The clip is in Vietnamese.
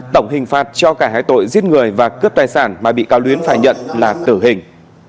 tổng hình phạt cho cả hai tội giết người và cướp tài sản mà bị cáo luyến phải nhận là tử hình